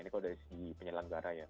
ini kalau dari segi penyelenggara ya